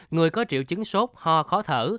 người có triệu chứng sốt ho khó thở